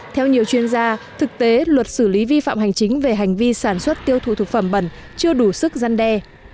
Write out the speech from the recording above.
theo nhiều chuyên gia thực tế luật xử lý vi phạm hành chính về hành vi sản xuất tiêu thụ thực phẩm bẩn chưa đủ sức gian đe